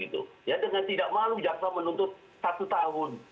dengan tidak malu jaksa menuntut satu tahun